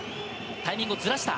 タイミングをずらした。